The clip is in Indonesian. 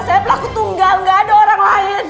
saya pelaku tunggal gak ada orang lain